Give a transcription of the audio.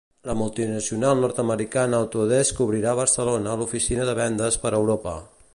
La multinacional nord-americana Autodesk obrirà a Barcelona l'oficina de vendes per a Europa.